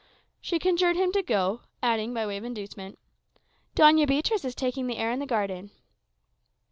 She conjured him to go, adding, by way of inducement, "Doña Beatriz is taking the air in the garden."